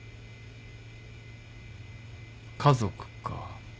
家族か。